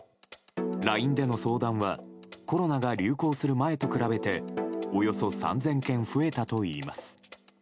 ＬＩＮＥでの相談はコロナが流行する前と比べておよそ３０００件増えたといいます。